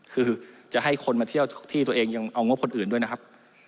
คือจะให้คนมาเที่ยวที่ตัวเองยังเอางบคนอื่นด้วยนะครับ